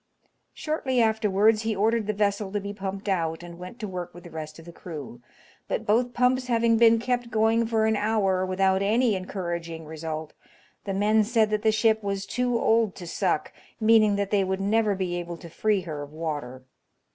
Shortly afterwards he ordered the vessel to be pumped out, and went to work with the rest of the crew ; but both pumps having been kept going for an hour without any encouraging result the men said that the ship was too old to suck, meaning that they would never be able to free her of water.